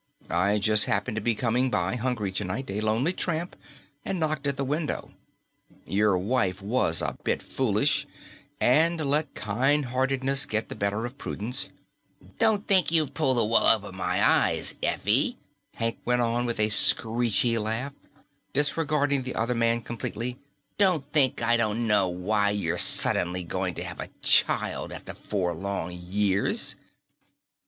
"I just happened to be coming by hungry tonight, a lonely tramp, and knocked at the window. Your wife was a bit foolish and let kindheartedness get the better of prudence " "Don't think you've pulled the wool over my eyes, Effie," Hank went on with a screechy laugh, disregarding the other man completely. "Don't think I don't know why you're suddenly going to have a child after four long years."